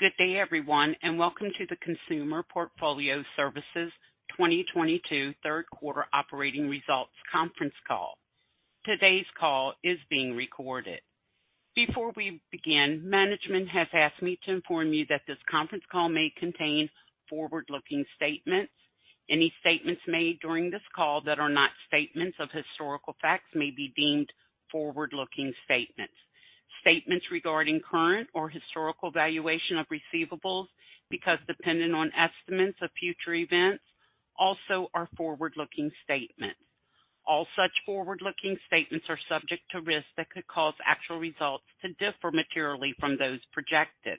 Good day, everyone, and welcome to the Consumer Portfolio Services 2022 Third Quarter Operating Results Conference Call. Today's call is being recorded. Before we begin, management has asked me to inform you that this conference call may contain forward-looking statements. Any statements made during this call that are not statements of historical facts may be deemed forward-looking statements. Statements regarding current or historical valuation of receivables, being dependent on estimates of future events, also are forward-looking statements. All such forward-looking statements are subject to risks that could cause actual results to differ materially from those projected.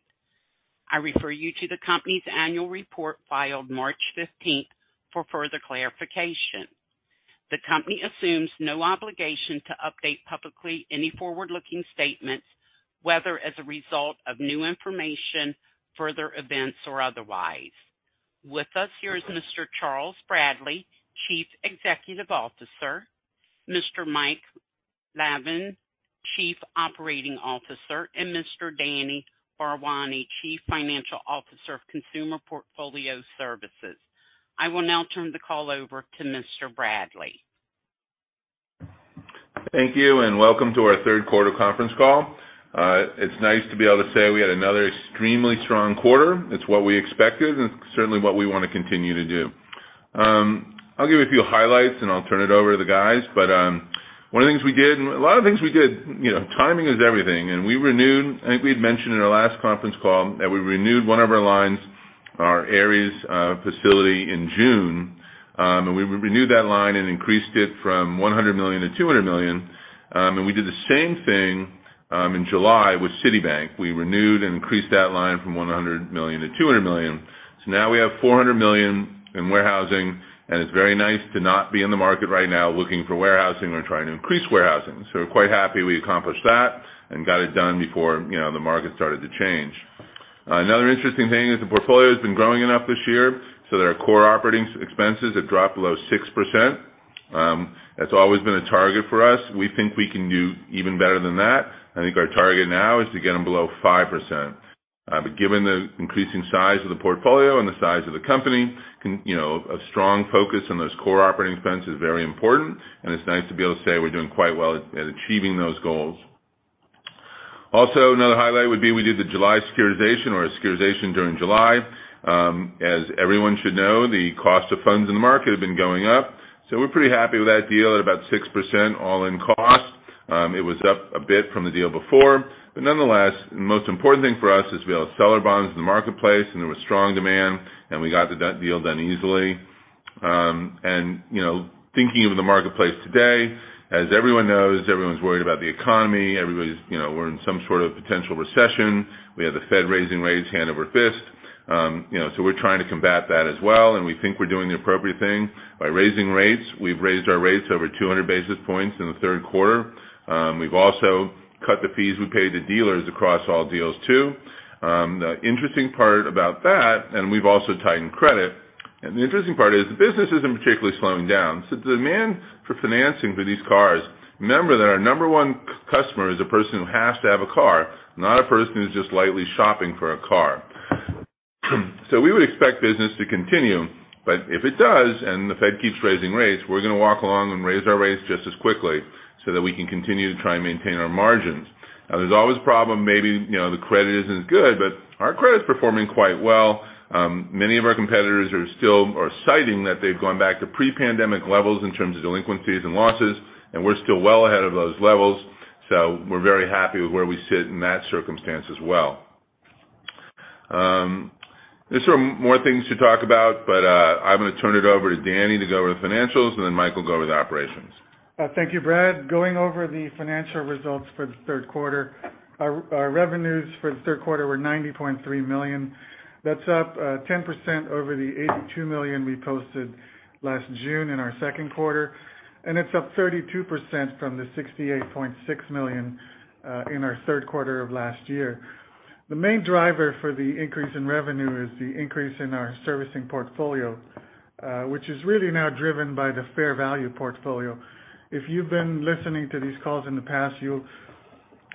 I refer you to the company's annual report filed March fifteenth for further clarification. The company assumes no obligation to update publicly any forward-looking statement, whether as a result of new information, further events, or otherwise. With us here is Mr. Charles Bradley, Chief Executive Officer, Mr. Mike Lavin, Chief Operating Officer, and Mr. Danny Bharwani, Chief Financial Officer of Consumer Portfolio Services. I will now turn the call over to Mr. Bradley. Thank you, and welcome to our third quarter conference call. It's nice to be able to say we had another extremely strong quarter. It's what we expected, and certainly what we wanna continue to do. I'll give a few highlights, and I'll turn it over to the guys. One of the things we did, and a lot of things we did, you know, timing is everything. We renewed. I think we had mentioned in our last conference call that we renewed one of our lines, our Ares facility in June. We renewed that line and increased it from $100 million to $200 million. We did the same thing in July with Citibank. We renewed and increased that line from $100 million to $200 million. Now we have $400 million in warehousing, and it's very nice to not be in the market right now looking for warehousing or trying to increase warehousing. We're quite happy we accomplished that and got it done before, you know, the market started to change. Another interesting thing is the portfolio has been growing enough this year, so that our core operating expenses have dropped below 6%. That's always been a target for us. We think we can do even better than that. I think our target now is to get them below 5%. But given the increasing size of the portfolio and the size of the company, you know, a strong focus on those core operating expenses is very important, and it's nice to be able to say we're doing quite well at achieving those goals. Also, another highlight would be we did the July securitization or a securitization during July. As everyone should know, the cost of funds in the market have been going up, so we're pretty happy with that deal at about 6% all-in cost. It was up a bit from the deal before. Nonetheless, the most important thing for us is we have seller bonds in the marketplace, and there was strong demand, and we got the deal done easily. You know, thinking of the marketplace today, as everyone knows, everyone's worried about the economy. Everybody's, you know, we're in some sort of potential recession. We have the Fed raising rates hand over fist. You know, so we're trying to combat that as well, and we think we're doing the appropriate thing by raising rates. We've raised our rates over 200 basis points in the third quarter. We've also cut the fees we pay to dealers across all deals too. The interesting part about that, and we've also tightened credit, and the interesting part is the business isn't particularly slowing down. The demand for financing for these cars, remember that our number one customer is a person who has to have a car, not a person who's just lightly shopping for a car. We would expect business to continue. If it does, and the Fed keeps raising rates, we're gonna walk along and raise our rates just as quickly so that we can continue to try and maintain our margins. Now, there's always a problem. Maybe, you know, the credit isn't as good, but our credit is performing quite well. Many of our competitors are citing that they've gone back to pre-pandemic levels in terms of delinquencies and losses, and we're still well ahead of those levels. We're very happy with where we sit in that circumstance as well. There's some more things to talk about, but I'm gonna turn it over to Danny to go over the financials, and then Mike will go over the operations. Thank you, Brad. Going over the financial results for the third quarter, our revenues for the third quarter were $90.3 million. That's up 10% over the $82 million we posted last June in our second quarter. It's up 32% from the $68.6 million in our third quarter of last year. The main driver for the increase in revenue is the increase in our servicing portfolio, which is really now driven by the fair value portfolio. If you've been listening to these calls in the past, you'll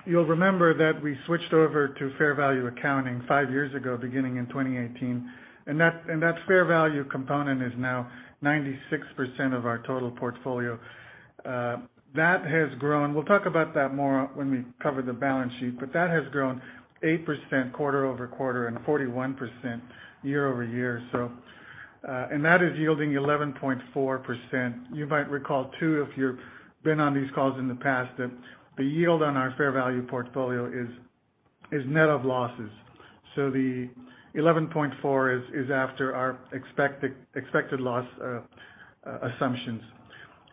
remember that we switched over to fair value accounting five years ago, beginning in 2018. That fair value component is now 96% of our total portfolio. That has grown. We'll talk about that more when we cover the balance sheet, but that has grown 8% quarter-over-quarter and 41% year-over-year. That is yielding 11.4%. You might recall, too, if you've been on these calls in the past, that the yield on our fair value portfolio is net of losses. The 11.4% is after our expected loss assumptions.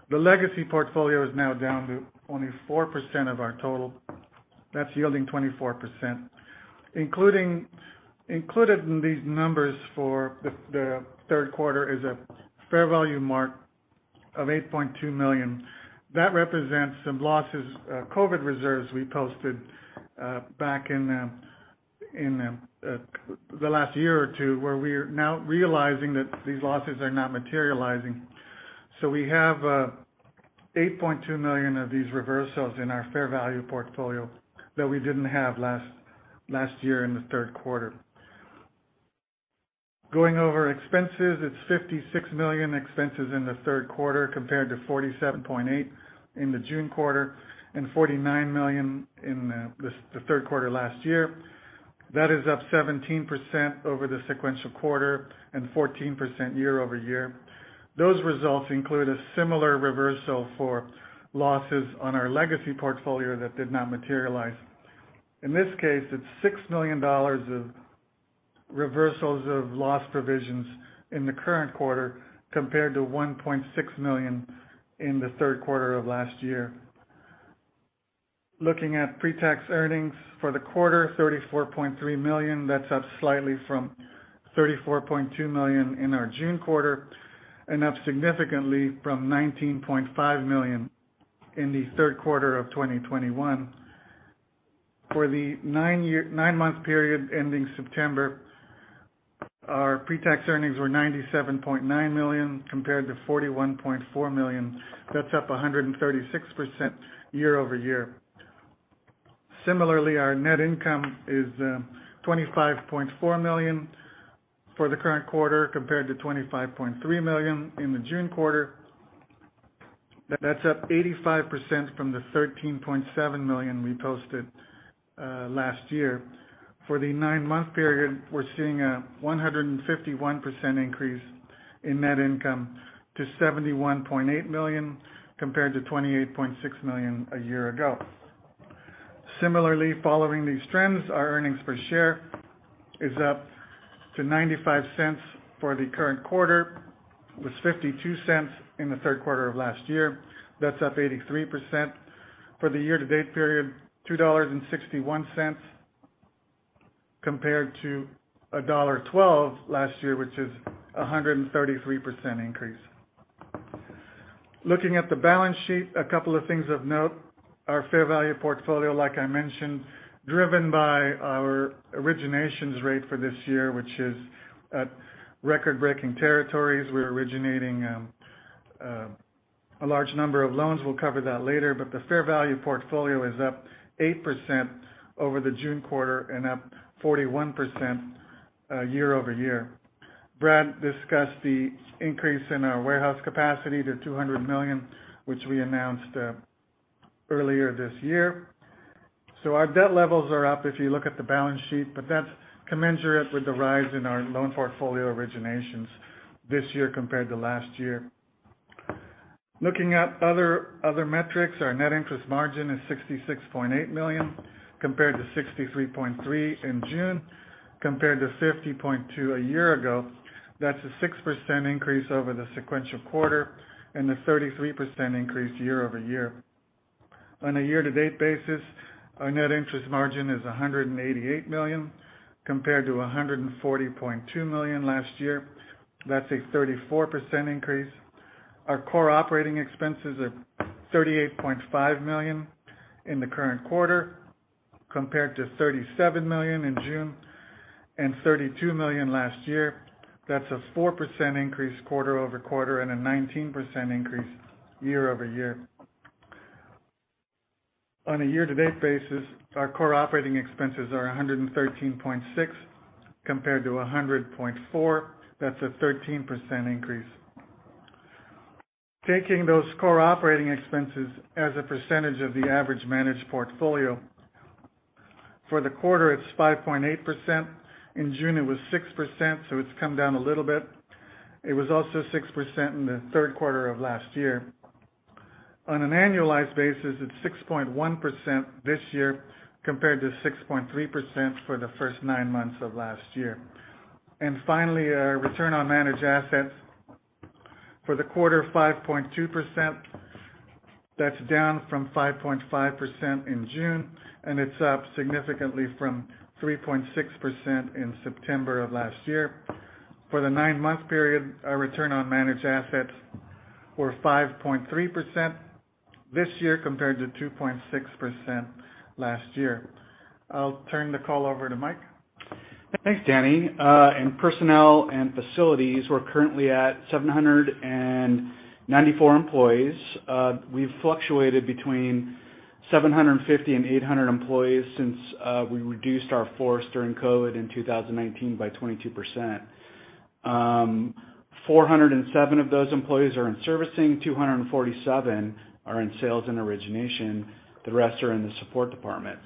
The legacy portfolio is now down to only 4% of our total. That's yielding 24%. Included in these numbers for the third quarter is a fair value mark of $8.2 million. That represents some losses, COVID reserves we posted back in In the last year or two where we're now realizing that these losses are not materializing. We have $8.2 million of these reversals in our fair value portfolio that we didn't have last year in the third quarter. Going over expenses, it's $56 million expenses in the third quarter compared to $47.8 million in the June quarter and $49 million in the third quarter last year. That is up 17% over the sequential quarter and 14% year-over-year. Those results include a similar reversal for losses on our legacy portfolio that did not materialize. In this case, it's $6 million of reversals of loss provisions in the current quarter, compared to $1.6 million in the third quarter of last year. Looking at pre-tax earnings for the quarter, $34.3 million, that's up slightly from $34.2 million in our June quarter and up significantly from $19.5 million in the third quarter of 2021. For the nine-month period ending September, our pre-tax earnings were $97.9 million compared to $41.4 million. That's up 136% year-over-year. Similarly, our net income is $25.4 million for the current quarter compared to $25.3 million in the June quarter. That's up 85% from the $13.7 million we posted last year. For the nine-month period, we're seeing a 151% increase in net income to $71.8 million, compared to $28.6 million a year ago. Similarly, following these trends, our earnings per share is up to $0.95 for the current quarter. It was $0.52 in the third quarter of last year. That's up 83%. For the year-to-date period, $2.61, compared to $1.12 last year, which is a 133% increase. Looking at the balance sheet, a couple of things of note. Our fair value portfolio, like I mentioned, driven by our originations rate for this year, which is at record-breaking territories. We're originating a large number of loans. We'll cover that later. But the fair value portfolio is up 8% over the June quarter and up 41% year-over-year. Brad discussed the increase in our warehouse capacity to $200 million, which we announced earlier this year. Our debt levels are up if you look at the balance sheet, but that's commensurate with the rise in our loan portfolio originations this year compared to last year. Looking at other metrics, our net interest margin is $66.8 million, compared to $63.3 million in June, compared to $50.2 million a year ago. That's a 6% increase over the sequential quarter and a 33% increase year-over-year. On a year-to-date basis, our net interest margin is $188 million, compared to $140.2 million last year. That's a 34% increase. Our core operating expenses are $38.5 million in the current quarter, compared to $37 million in June and $32 million last year. That's a 4% increase quarter-over-quarter and a 19% increase year-over-year. On a year to date basis, our core operating expenses are $113.6 compared to $100.4. That's a 13% increase. Taking those core operating expenses as a percentage of the average managed portfolio, for the quarter, it's 5.8%. In June, it was 6%, so it's come down a little bit. It was also 6% in the third quarter of last year. On an annualized basis, it's 6.1% this year, compared to 6.3% for the first nine months of last year. Finally, our return on managed assets for the quarter, 5.2%. That's down from 5.5% in June, and it's up significantly from 3.6% in September of last year. For the nine-month period, our return on managed assets were 5.3% this year compared to 2.6% last year. I'll turn the call over to Mike. Thanks, Danny. In personnel and facilities, we're currently at 794 employees. We've fluctuated between 750 and 800 employees since we reduced our force during COVID in 2019 by 22%. 407 of those employees are in servicing, 247 are in sales and origination. The rest are in the support departments.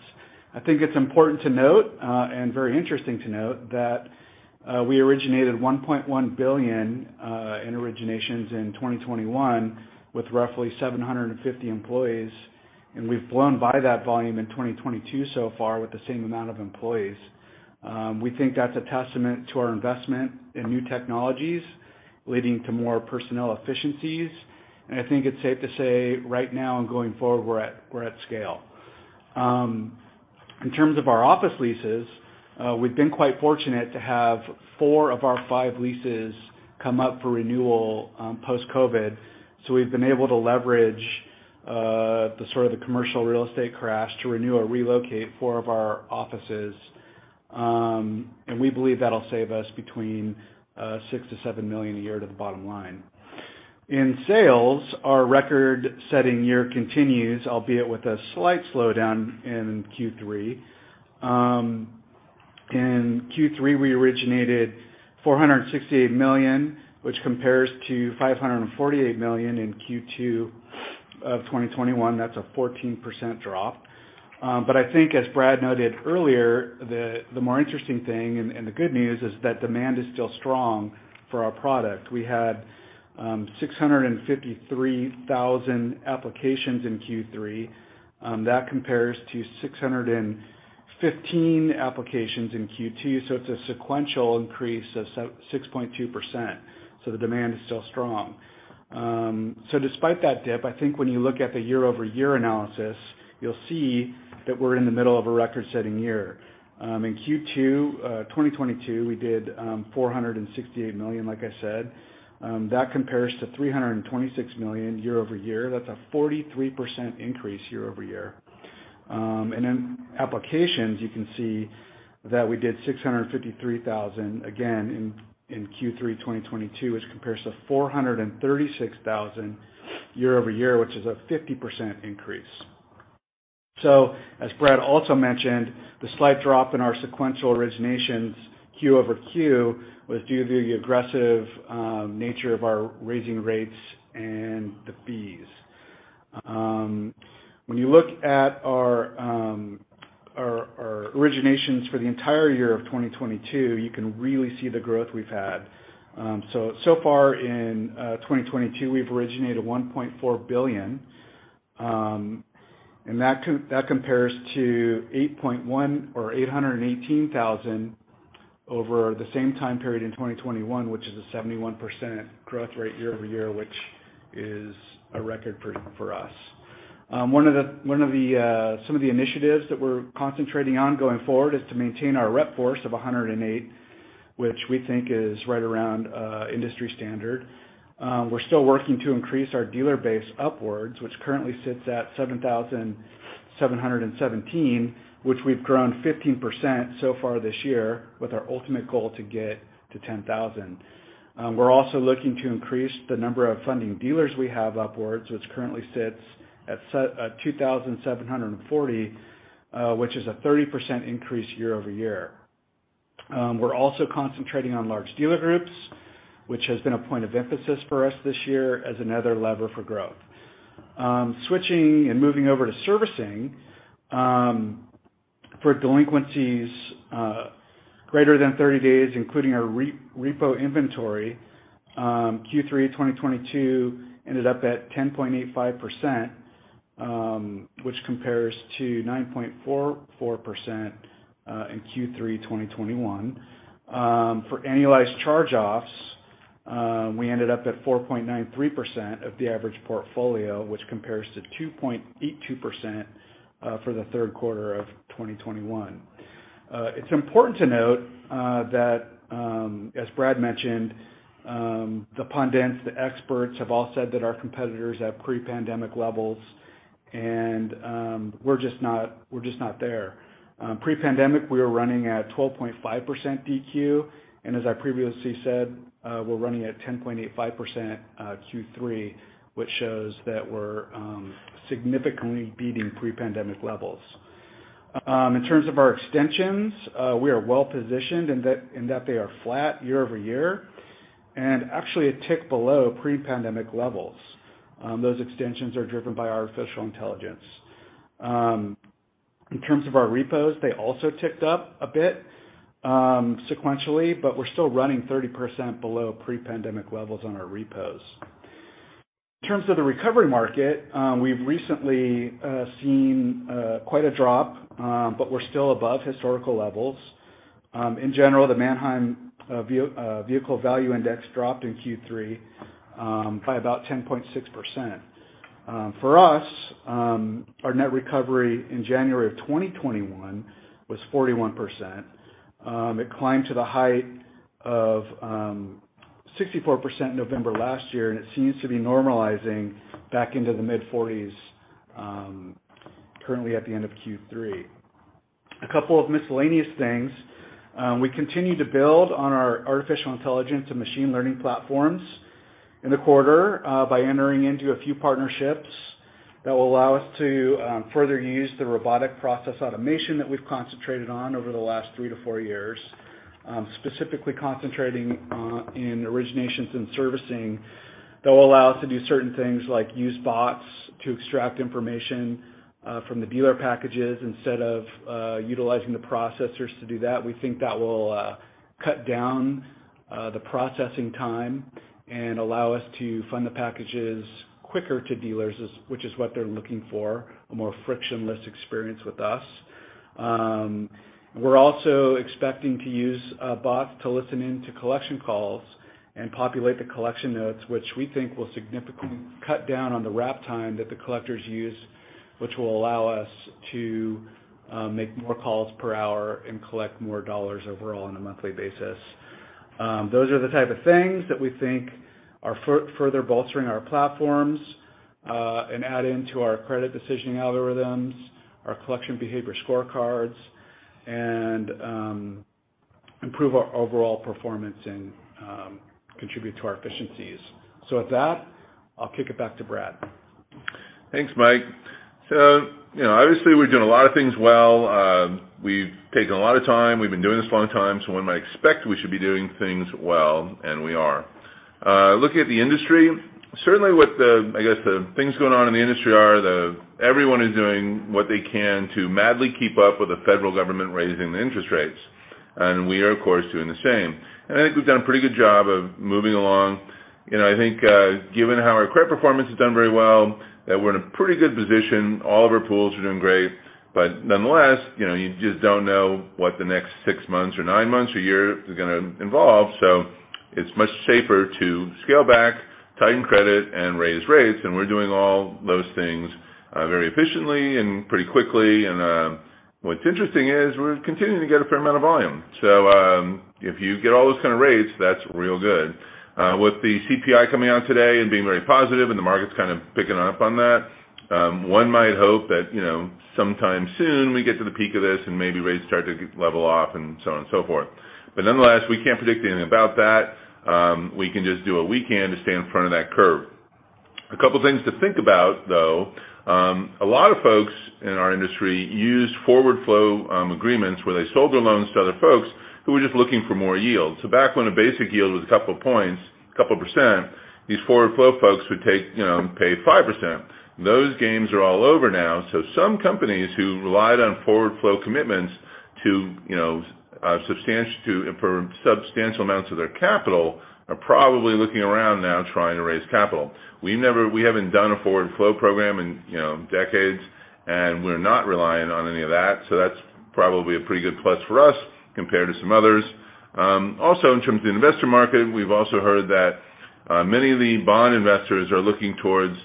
I think it's important to note, and very interesting to note that, we originated $1.1 billion in originations in 2021 with roughly 750 employees, and we've blown by that volume in 2022 so far with the same amount of employees. We think that's a testament to our investment in new technologies leading to more personnel efficiencies, and I think it's safe to say right now and going forward, we're at scale. In terms of our office leases, we've been quite fortunate to have four of our five leases come up for renewal post-COVID. We've been able to leverage the sort of the commercial real estate crash to renew or relocate four of our offices, and we believe that'll save us between $6 million and $7 million a year to the bottom line. In sales, our record-setting year continues, albeit with a slight slowdown in Q3. In Q3, we originated $468 million, which compares to $548 million in Q2 of 2021. That's a 14% drop. I think as Brad noted earlier, the more interesting thing and the good news is that demand is still strong for our product. We had 653,000 applications in Q3. That compares to 615 applications in Q2. It's a sequential increase of 6.2%. The demand is still strong. Despite that dip, I think when you look at the year-over-year analysis, you'll see that we're in the middle of a record-setting year. In Q2 2022, we did $468 million, like I said. That compares to $326 million year-over-year. That's a 43% increase year-over-year. In applications, you can see that we did 653,000 again in Q3 2022, which compares to 436,000 year-over-year, which is a 50% increase. As Brad also mentioned, the slight drop in our sequential originations quarter-over-quarter was due to the aggressive nature of our raising rates and the fees. When you look at our originations for the entire year of 2022, you can really see the growth we've had. So far in 2022, we've originated $1.4 billion, and that compares to $818 million over the same time period in 2021, which is a 71% growth rate year-over-year, which is a record for us. One of the initiatives that we're concentrating on going forward is to maintain our rep force of 108, which we think is right around industry standard. We're still working to increase our dealer base upwards, which currently sits at 7,717, which we've grown 15% so far this year with our ultimate goal to get to 10,000. We're also looking to increase the number of funding dealers we have upwards, which currently sits at 2,740, which is a 30% increase year-over-year. We're also concentrating on large dealer groups, which has been a point of emphasis for us this year as another lever for growth. Switching and moving over to servicing, for delinquencies greater than 30 days, including our repo inventory, Q3 2022 ended up at 10.85%, which compares to 9.44% in Q3 2021. For annualized charge-offs, we ended up at 4.93% of the average portfolio, which compares to 2.82% for the third quarter of 2021. It's important to note that, as Brad mentioned, the pundits, the experts have all said that our competitors have pre-pandemic levels and, we're just not there. Pre-pandemic, we were running at 12.5% DQ, and as I previously said, we're running at 10.85% Q3, which shows that we're significantly beating pre-pandemic levels. In terms of our extensions, we are well positioned in that they are flat year-over-year and actually a tick below pre-pandemic levels. Those extensions are driven by our artificial intelligence. In terms of our repos, they also ticked up a bit, sequentially, but we're still running 30% below pre-pandemic levels on our repos. In terms of the recovery market, we've recently seen quite a drop, but we're still above historical levels. In general, the Manheim Used Vehicle Value Index dropped in Q3 by about 10.6%. For us, our net recovery in January of 2021 was 41%. It climbed to the height of 64% November last year, and it seems to be normalizing back into the mid-40s, currently at the end of Q3. A couple of miscellaneous things. We continue to build on our artificial intelligence and machine learning platforms in the quarter, by entering into a few partnerships that will allow us to further use the robotic process automation that we've concentrated on over the last three-four years, specifically concentrating in originations and servicing that will allow us to do certain things like use bots to extract information from the dealer packages instead of utilizing the processors to do that. We think that will cut down the processing time and allow us to fund the packages quicker to dealers, which is what they're looking for, a more frictionless experience with us. We're also expecting to use a bot to listen in to collection calls and populate the collection notes, which we think will significantly cut down on the wrap time that the collectors use, which will allow us to make more calls per hour and collect more dollars overall on a monthly basis. Those are the type of things that we think are further bolstering our platforms and add into our credit decisioning algorithms, our collection behavior scorecards, and improve our overall performance and contribute to our efficiencies. With that, I'll kick it back to Brad. Thanks, Mike. You know, obviously we're doing a lot of things well. We've taken a lot of time. We've been doing this a long time, so one might expect we should be doing things well, and we are. Looking at the industry, certainly with the things going on in the industry, everyone is doing what they can to madly keep up with the federal government raising the interest rates, and we are of course doing the same. I think we've done a pretty good job of moving along. You know, I think, given how our credit performance has done very well, that we're in a pretty good position. All of our pools are doing great. Nonetheless, you know, you just don't know what the next six months or nine months or year is gonna involve. It's much safer to scale back, tighten credit, and raise rates. We're doing all those things very efficiently and pretty quickly. What's interesting is we're continuing to get a fair amount of volume. If you get all those kind of rates, that's real good. With the CPI coming out today and being very positive and the market's kind of picking up on that, one might hope that, you know, sometime soon we get to the peak of this and maybe rates start to level off and so on and so forth. Nonetheless, we can't predict anything about that. We can just do what we can to stay in front of that curve. A couple things to think about, though. A lot of folks in our industry use forward flow agreements where they sold their loans to other folks who are just looking for more yield. Back when a basic yield was a couple points, a couple percent, these forward flow folks would take, you know, pay 5%. Those games are all over now. Some companies who relied on forward flow commitments to, you know, for substantial amounts of their capital are probably looking around now trying to raise capital. We haven't done a forward flow program in, you know, decades, and we're not reliant on any of that, so that's probably a pretty good plus for us compared to some others. Also in terms of the investor market, we've also heard that, many of the bond investors are looking towards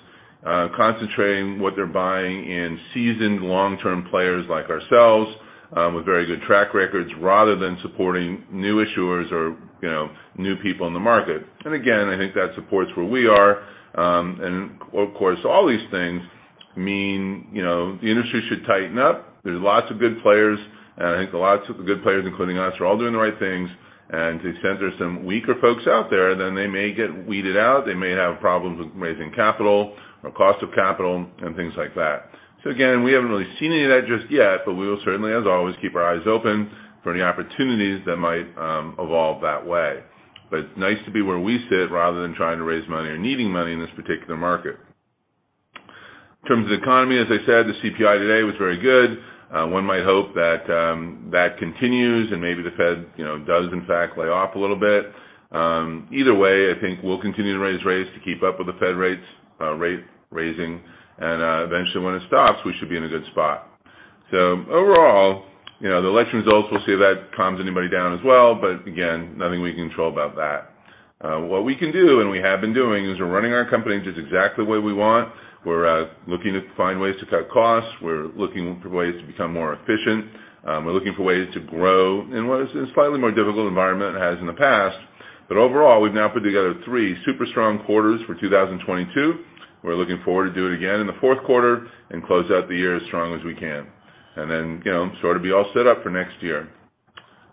concentrating what they're buying in seasoned long-term players like ourselves, with very good track records, rather than supporting new issuers or, you know, new people in the market. Again, I think that supports where we are. Of course, all these things mean, you know, the industry should tighten up. There's lots of good players, and I think lots of good players, including us, are all doing the right things. To the extent there's some weaker folks out there, then they may get weeded out. They may have problems with raising capital or cost of capital and things like that. Again, we haven't really seen any of that just yet, but we will certainly, as always, keep our eyes open for any opportunities that might evolve that way. It's nice to be where we sit rather than trying to raise money or needing money in this particular market. In terms of the economy, as I said, the CPI today was very good. One might hope that continues and maybe the Fed, you know, does in fact lay off a little bit. Either way, I think we'll continue to raise rates to keep up with the Fed rates, rate raising, and eventually when it stops, we should be in a good spot. Overall, you know, the election results, we'll see if that calms anybody down as well, but again, nothing we can control about that. What we can do and we have been doing is we're running our company just exactly the way we want. We're looking to find ways to cut costs. We're looking for ways to become more efficient. We're looking for ways to grow in what is a slightly more difficult environment it has in the past. Overall, we've now put together three super strong quarters for 2022. We're looking forward to doing again in the fourth quarter and close out the year as strong as we can and then, you know, sort of be all set up for next year.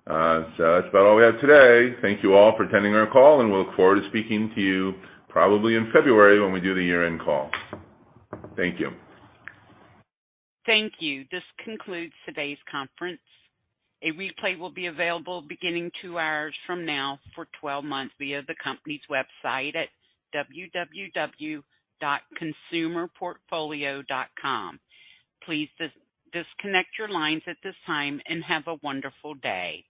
That's about all we have today. Thank you all for attending our call, and we look forward to speaking to you probably in February when we do the year-end call. Thank you. Thank you. This concludes today's conference. A replay will be available beginning two hours from now for 12 months via the company's website at www.consumerportfolio.com. Please disconnect your lines at this time and have a wonderful day.